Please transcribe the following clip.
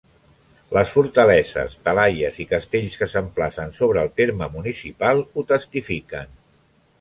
Les fortaleses, talaies i castells que s'emplacen sobre el terme municipal ho testifiquen.